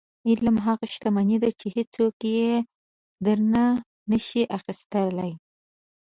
• علم هغه شتمني ده چې هیڅوک یې درنه نشي اخیستلی.